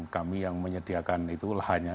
kami yang menyediakan itu lahannya